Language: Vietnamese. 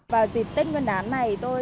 vào dịp tết nguyên đán này tôi